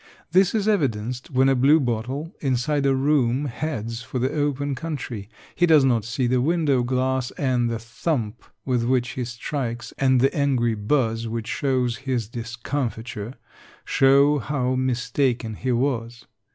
This is evidenced when a blue bottle inside a room heads for the open country. He does not see the window glass and the thump with which he strikes and the angry buzz which shows his discomfiture show how mistaken he was.